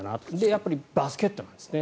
やっぱりバスケットなんですね。